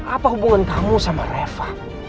apa hubungan kamu sama reva